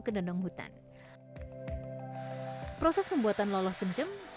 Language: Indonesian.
yeay sudah jadi oke loloh cemcem